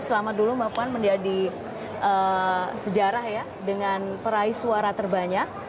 selamat dulu mbak puan menjadi sejarah ya dengan peraih suara terbanyak